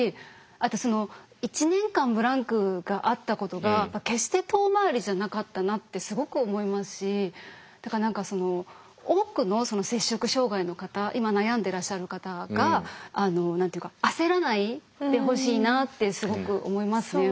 あとその１年間ブランクがあったことが決して遠回りじゃなかったなってすごく思いますしだから多くの摂食障害の方今悩んでらっしゃる方が焦らないでほしいなってすごく思いますね。